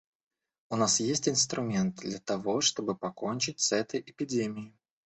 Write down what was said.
У нас есть инструменты для того, чтобы покончить с этой эпидемией.